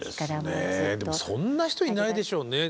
そんな人いないでしょうね。